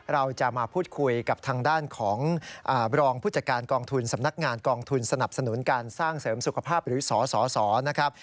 เราจะมาพูดคุยกับทางด้านของรองผู้จัดการกองทุนสำนักงานกองทุนสนับสนุนการสร้างเสริมสุขภาพหรือสสนะครับ